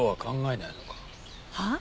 はあ？